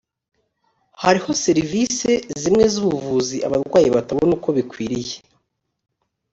hariho serivisi zimwe z’ubuvuzi abarwayi batabona uko bikwiriye